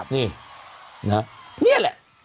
นี่นี่แหละ